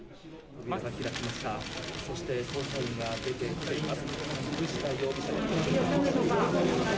そして捜査員が出てきます。